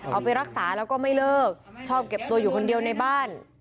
เอาไปรักษาแล้วก็ไม่เลิกชอบเก็บตัวอยู่คนเดียวในบ้าน